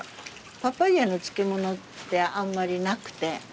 パパイアの漬物ってあんまりなくて。